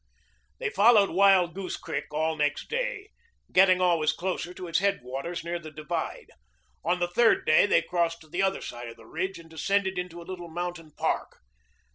They followed Wild Goose Creek all next day, getting always closer to its headwaters near the divide. On the third day they crossed to the other side of the ridge and descended into a little mountain park.